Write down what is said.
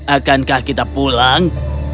akankah kita pulang